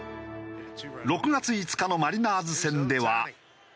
６月５日のマリナーズ戦では。